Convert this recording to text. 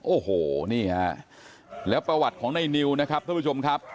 โอ้โหนี่ฮะแล้วประวัติของในนิวนะครับท่านผู้ชมครับ